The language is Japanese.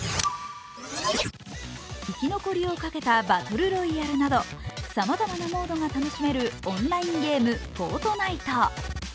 生き残りをかけたバトルロイヤルなどさまざまなモードが楽しめるオンラインゲーム「フォートナイト」。